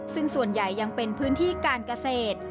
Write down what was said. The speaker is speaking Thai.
ซึ่งส่วนใหญ่ยังเป็นพื้นที่การเกษตร